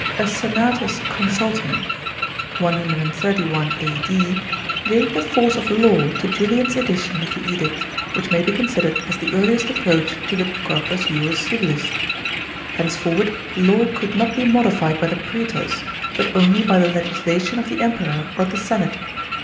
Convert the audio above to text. A senatus consultum (131 A.U.) gave the force of law to Julian's edition of the Edict, which ni'iy be considered as the earliest approach to the Corpus juris civilis. Henceforward law could not be modified by the prsetors, but only by the legislation of the Emperor or the senate.